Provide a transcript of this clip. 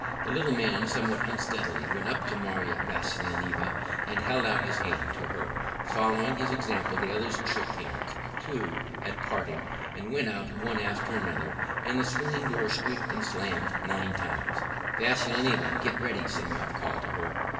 The little man, somewhat unsteadily, went up to Marya Vassilyevna and held out his hand to her; following his example, the others shook hands, too, at parting, and went out one after another, and the swing door squeaked and slammed nine times. "Vassilyevna, get ready," Semyon called to her.